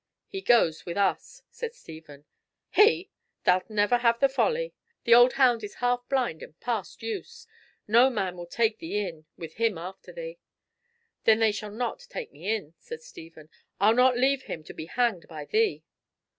"He goes with us," said Stephen. "He! Thou'lt never have the folly! The old hound is half blind and past use. No man will take thee in with him after thee." "Then they shall not take me in," said Stephen. "I'll not leave him to be hanged by thee."